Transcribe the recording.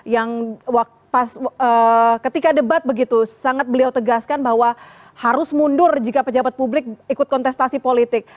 yang ketika debat begitu sangat beliau tegaskan bahwa harus mundur jika pejabat publik ikut kontestasi politik